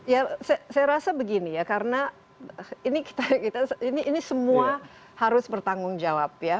ya saya rasa begini ya karena ini kita ini semua harus bertanggung jawab ya